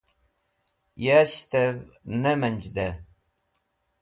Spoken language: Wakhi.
Sashtev Nemenjde